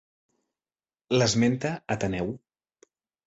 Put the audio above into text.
L'esmenta Ateneu.